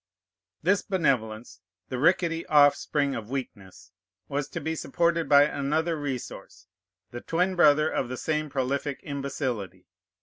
This benevolence, the rickety offspring of weakness, was to be supported by another resource, the twin brother of the same prolific imbecility.